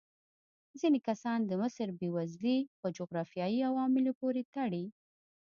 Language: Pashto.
ځینې کسان د مصر بېوزلي په جغرافیايي عواملو پورې تړي.